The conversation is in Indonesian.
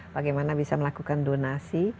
bagaimana bisa melakukan donasi